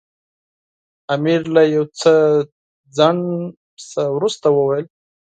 امیر له یو څه ځنډ څخه وروسته وویل.